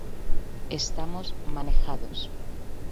Estamos manejados.